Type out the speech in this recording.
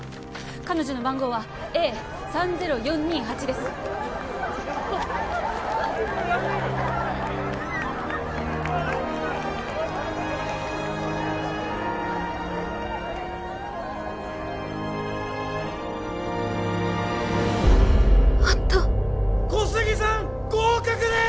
彼女の番号はＡ３０４２８ですあった小杉さん合格です！